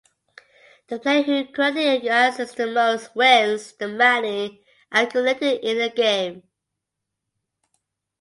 The player who correctly answers the most wins the money accumulated in the game.